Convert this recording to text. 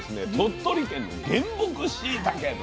鳥取県の原木しいたけと。